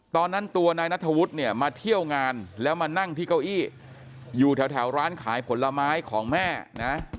ตอนนั้นตัวนายนัทธวุฒิเนี่ยมาเที่ยวงานแล้วมานั่งที่เก้าอี้อยู่แถวร้านขายผลไม้ของแม่นะ